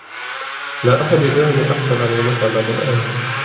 لا أحد يدعني أحصل على المتعة بعد الآن.